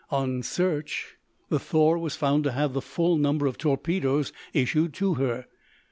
On search the 'Thor' was found to have the full number of torpedoes issued to her.